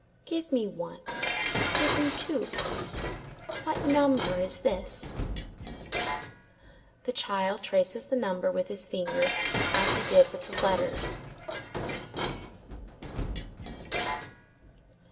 "Give me one." "Give me two." "What number is this?" The child traces the number with his finger as he did the letters.